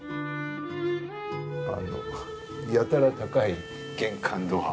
あのやたら高い玄関ドア。